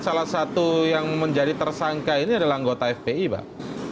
salah satu yang menjadi tersangka ini adalah anggota fpi pak